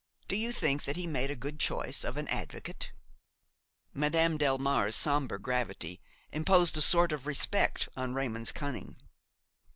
Do you think that he made a good choice of an advocate?" Madame Delmare's sombre gravity imposed a sort of respect on Raymon's cunning.